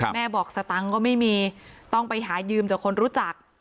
แม่บอกสตังค์ก็ไม่มีต้องไปหายืมจากคนรู้จัก